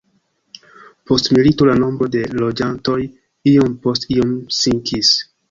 Post milito la nombro de loĝantoj iom post om sinkis.